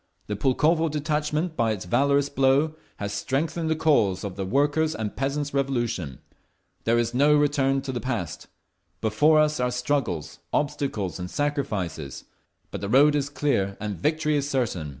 The Pulkovo detachment by its valorous blow has strengthened the cause of the Workers' and Peasants's Revolution. There is no return to the past. Before us are struggles, obstacles and sacrifices. But the road is clear and victory is certain.